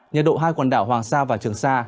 nhiệt độ hai quần đảo hoàng sa và trường sa